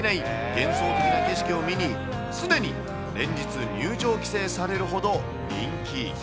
幻想的な景色を見に、すでに連日、入場規制されるほど人気。